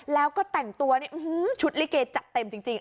แล้วก็แต่งตัวนี่ชุดลิเกจัดเต็มจริง